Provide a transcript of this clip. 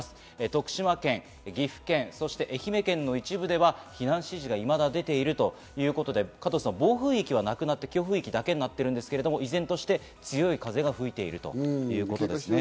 徳島県、岐阜県、そして愛媛県の一部では避難指示がいまだ出ているということで、暴風域はなくなって、強風域だけになっていますが、依然として強い風が吹いています。